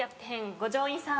五条院さん。